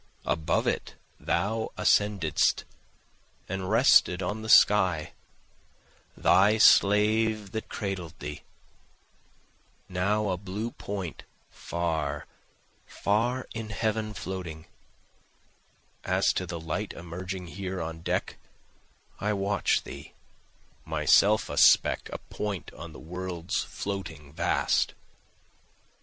above it thou ascended'st, And rested on the sky, thy slave that cradled thee,) Now a blue point, far, far in heaven floating, As to the light emerging here on deck I watch thee, (Myself a speck, a point on the world's floating vast.)